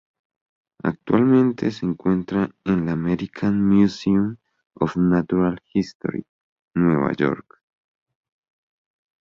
Actualmente se encuentra en la American Museum of Natural History, Nueva York.